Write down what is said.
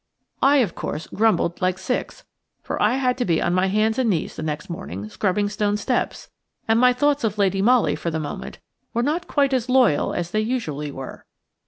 I, of course, grumbled like six, for I had to be on my hands and knees the next morning scrubbing stone steps, and my thoughts of Lady Molly, for the moment, were not quite as loyal as they usually were.